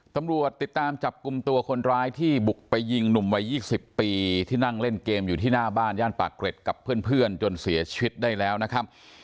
ตำรวจติดตามจับกลุ่มตัวคนร้ายที่บุกไปยิงหนุ่มวัย๒๐ปีที่นั่งเล่นเกมอยู่ที่หน้าบ้านย่านปากเกร็ดกับเพื่อนจนเสียชีวิตได้แล้วนะครับ